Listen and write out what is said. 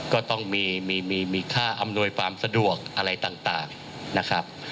ก็ต้องมีค่าอำนวยความสะดวกอะไรต่างนะครับ